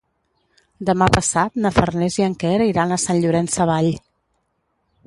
Demà passat na Farners i en Quer iran a Sant Llorenç Savall.